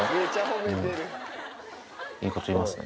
いいこと言いますね。